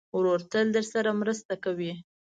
ورور تل درسره مرسته کوي.